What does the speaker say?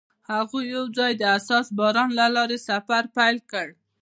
هغوی یوځای د حساس باران له لارې سفر پیل کړ.